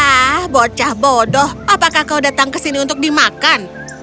ah bocah bodoh apakah kau datang ke sini untuk dimakan